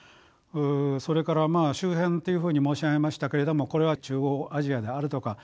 それから周辺っていうふうに申し上げましたけれどもこれは中央アジアであるとか